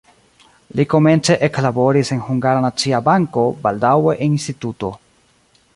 Li komence eklaboris en Hungara Nacia Banko, baldaŭe en instituto.